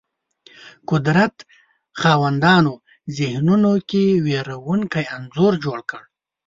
قدرت خاوندانو ذهنونو کې وېرونکی انځور جوړ کړ